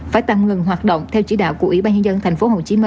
phải tạm ngừng hoạt động theo chỉ đạo của ủy ban nhân dân tp hcm